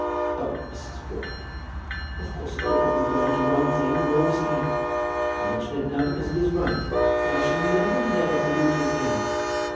"Oh, Mrs. Broughton!" "Of course he could not be blind to one thing; nor was I. I mention it now because it is right, but I shall never, never allude to it again.